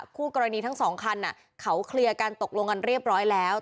คู่กรณีทั้งสองคันเขาเคลียร์กันตกลงกันเรียบร้อยแล้ว